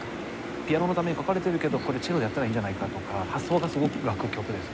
ピアノのために書かれてるけどこれチェロでやったらいいんじゃないかとか発想がすごく湧く曲ですね。